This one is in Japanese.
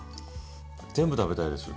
全部食べたいです。